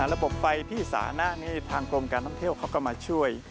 ระบบไฟที่สานะทางกรมการท่องเที่ยวเขาก็มาช่วย